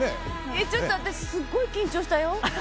ちょっと私すごい緊張したよ。